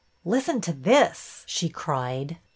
'' Listen to this," she cried.